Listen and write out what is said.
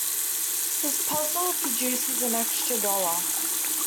His puzzle produces an extra dollar.